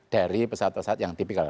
dari pesawat pesawat yang tipikal